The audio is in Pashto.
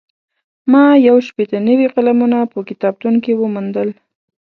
ما یو شپېته نوي قلمونه په کتابتون کې وموندل.